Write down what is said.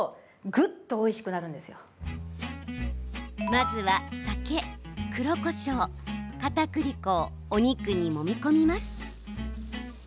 まずは、酒、黒こしょうかたくり粉をお肉にもみ込みます。